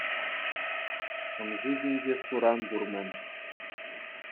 Сӑмси ҫинче суран пур-мӗн.